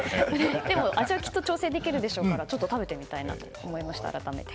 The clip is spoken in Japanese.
でも、味はきっと調整できるでしょうからちょっと食べてみたいと思いました。